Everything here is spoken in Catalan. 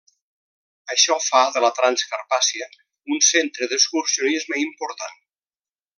Això fa de la Transcarpàcia un centre d'excursionisme important.